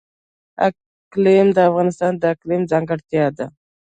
اقلیم د افغانستان د اقلیم ځانګړتیا ده.